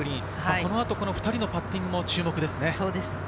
この後、２人のパッティングも注目ですね。